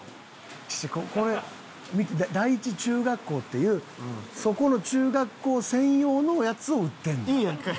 これ第一中学校っていうそこの中学校専用のやつを売ってんねん。いいやんか。